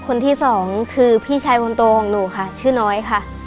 คนที่สองคือพี่ชายคนโตของหนูค่ะชื่อน้อยค่ะ